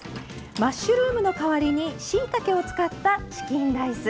マッシュルームの代わりにしいたけを使ったチキンライス。